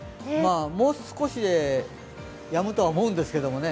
もう少しでやむとは思うんですけどね。